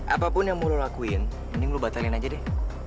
apapun yang mau lo lakuin ini lo batalin aja deh